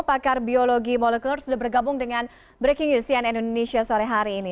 pakar biologi molekuler sudah bergabung dengan breaking news cnn indonesia sore hari ini